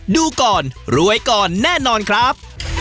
ดูก่อนรวยก่อนแน่นอนครับ